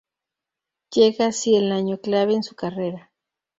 Llega así el año clave en su carrera.